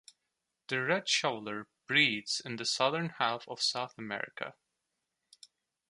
The red shoveler breeds in the southern half of South America.